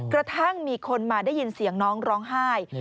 กระทั่งมีคนมาได้ยินเสียงน้องร้องไห้